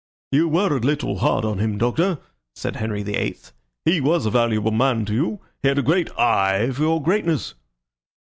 "You were a little hard on him, Doctor," said Henry VIII. "He was a valuable man to you. He had a great eye for your greatness."